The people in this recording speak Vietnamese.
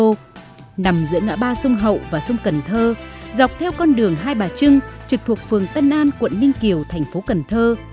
hồ nằm giữa ngã ba sông hậu và sông cần thơ dọc theo con đường hai bà trưng trực thuộc phường tân an quận ninh kiều thành phố cần thơ